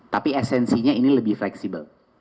tapi esensinya ini lebih fleksibel